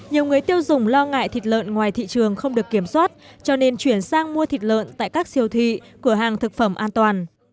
nhiều người tiêu dùng lo ngại thịt lợn ngoài thị trường không được kiểm soát cho nên chuyển sang mua thịt lợn tại các siêu thị cửa hàng thực phẩm an toàn